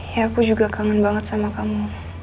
ya aku juga kangen banget sama kamu